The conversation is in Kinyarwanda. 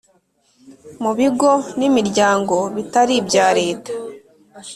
mu bigo n’imiryango bitari ibya leta;